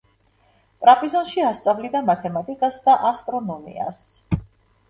ტრაპიზონში ასწავლიდა მათემატიკას და ასტრონომიას.